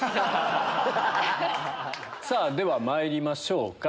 ではまいりましょうか。